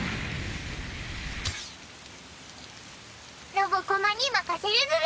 ロボコマに任せるズラ。